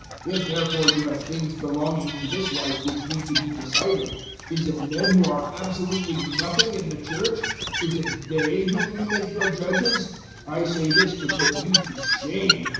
006:004 If therefore you have things belonging to this life which need to be decided, is it men who are absolutely nothing in the Church is it *they* whom you make your judges? 006:005 I say this to put you to shame.